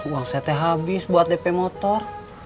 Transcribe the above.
uang saya teh habis buat dp motor